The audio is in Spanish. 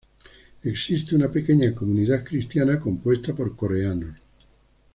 Existe una pequeña comunidad cristiana, compuesta por coreanos.